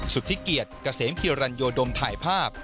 สุดที่เกียจกระเสมฮิรันยโยดมถ่ายภาพ